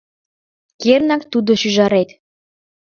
Кернак, тудо шӱжарет?